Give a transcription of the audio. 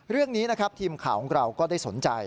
เรื่องนี้นะครับทีมข่าวของเราก็ได้สนใจ